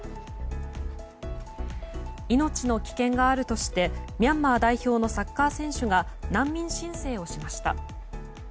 命の危険があるとしてミャンマー代表のサッカー選手が難民申請をしました。